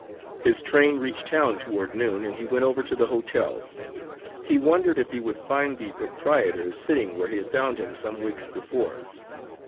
His train reached town toward noon and he went over to the hotel. He wondered if he would find the proprietor sitting where he had found him some weeks before.